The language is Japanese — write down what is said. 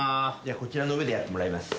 こちらの上でやってもらいます。